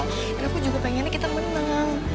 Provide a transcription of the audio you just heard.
akhirnya aku juga pengennya kita menang